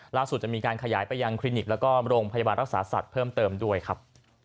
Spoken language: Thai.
จะมีการขยายไปยังคลินิกแล้วก็โรงพยาบาลรักษาสัตว์เพิ่มเติมด้วยครับ